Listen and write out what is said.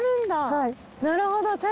なるほど。